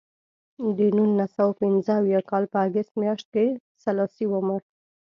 د نولس سوه پنځه اویا کال په اګست میاشت کې سلاسي ومړ.